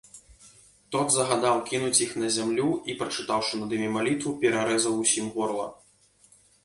Тот загадаў кінуць іх на зямлю і, прачытаўшы над імі малітву, пераразаў усім горла.